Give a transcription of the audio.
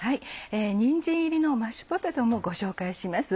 にんじん入りのマッシュポテトもご紹介します。